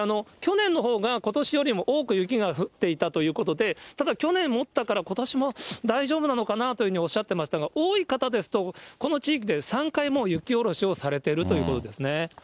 去年のほうがことしよりも多く雪が降っていたということで、ただ、去年もったからことしも大丈夫なのかなというふうにおっしゃってましたが、多い方ですと、この地域で３回もう雪下ろしをされているということですね。